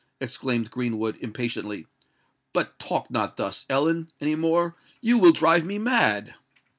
exclaimed Greenwood, impatiently. "But talk not thus, Ellen, any more: you will drive me mad!"